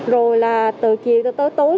rồi là từ chiều tới tối